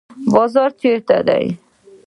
بازار چیرته دی؟